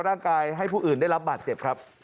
แค่นานไม่ตอบให้ได้